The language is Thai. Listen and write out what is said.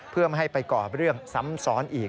เพื่อไม่ให้ไปก่อเรื่องซ้ำซ้อนอีก